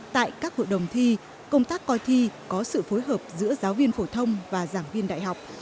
tại các hội đồng thi công tác coi thi có sự phối hợp giữa giáo viên phổ thông và giảng viên đại học